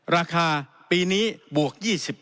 ราคาปีนี้บวก๒๐